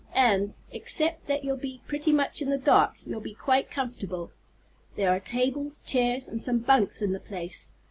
And, except that you'll be pretty much in the dark, you'll be quite comfortable. There are tables, chairs, and some bunks in the place.